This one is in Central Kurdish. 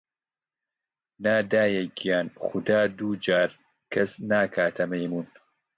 نا دایە گیان، خودا دوو جار کەس ناکەتە مەیموون!